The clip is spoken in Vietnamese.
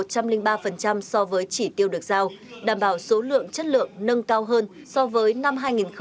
hà nội đạt khoảng hai trăm linh ba so với chỉ tiêu được giao đảm bảo số lượng chất lượng nâng cao hơn so với năm hai nghìn hai mươi ba